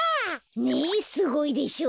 ねえすごいでしょ？